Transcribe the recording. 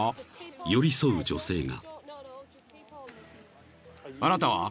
［寄り添う女性が］